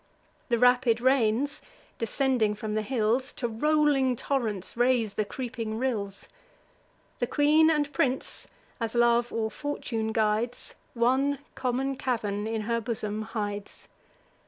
The rapid rains, descending from the hills, To rolling torrents raise the creeping rills. The queen and prince, as love or fortune guides, One common cavern in her bosom hides.